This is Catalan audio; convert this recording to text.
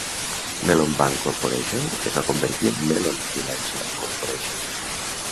Mellon Bank Corporation es va convertir en Mellon Financial Corporation.